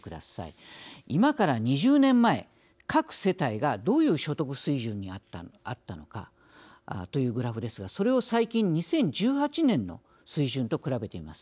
今から２０年前各世帯がどういう所得水準にあったのかというグラフですがそれを最近２０１８年の水準と比べてみます。